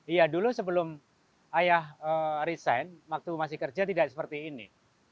iya dulu sebelum ayah resign waktu masih kerja tidak seperti ini